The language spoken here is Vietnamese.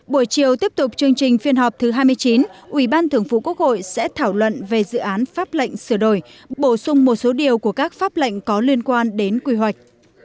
buổi chiều tiếp tục chương trình phiên họp thứ hai mươi chín ubth sẽ thảo luận về dự án pháp lệnh sửa đổi bổ sung một số điều của các pháp lệnh có liên quan đến quy hoạch